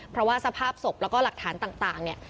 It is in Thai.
เพราะว่าสภาพศพแล้วก็หลักฐานต่างเนี่ย